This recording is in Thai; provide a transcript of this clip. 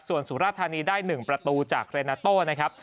ส่วนสุราธานีได้๑ประตูจากเรนาโต้นะครับ